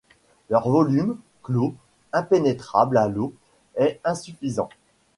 Leur volume, clos, impénétrable à l’eau, est insuffisant.